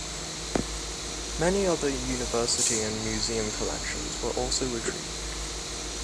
Many other university and museum collections were also retrieved.